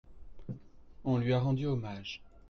On lui a rendu hommage.